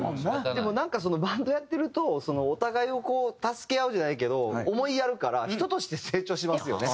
でもなんかバンドやってるとお互いを助け合うじゃないけど思いやるから人として成長しますよね。